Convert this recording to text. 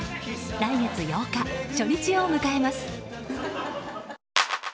来月８日、初日を迎えます。